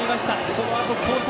そのあと交錯。